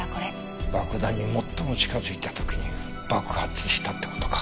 爆弾に最も近づいた時に爆発したって事か。